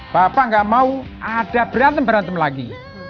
bapak nggak mau ada berantem berantem lagi